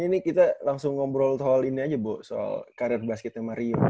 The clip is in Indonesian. ini kita langsung ngobrol soal ini aja bu soal karir basketnya mario